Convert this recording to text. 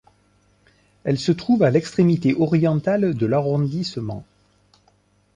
Elle se trouve à l'extrémité orientale de l'arrondissement.